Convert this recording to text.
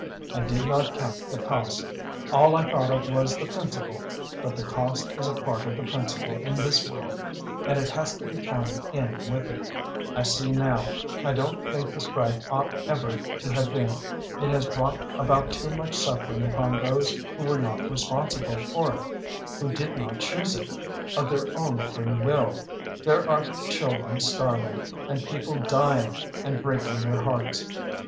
I did not count the cost. All I thought of was the principle, but the cost is a part of the principle in this world, and it has to be counted in with it. I see now. I don't think the strike ought ever to have been. It has brought about too much suffering upon those who were not responsible for it, who did not choose it of their own free will. There are children starving, and people dying and breaking their hearts.